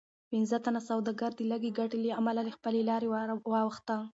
پنځه تنه سوداګر د لږې ګټې له امله له خپلې لارې واوښتل.